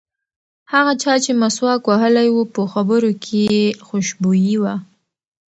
هغه چا چې مسواک وهلی و په خبرو کې یې خوشبويي وه.